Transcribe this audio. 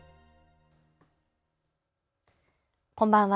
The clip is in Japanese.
こんばんは。